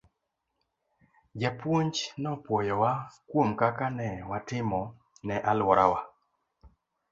Japuonj nopwoyowa kuom kaka ne watimo ne alworawa.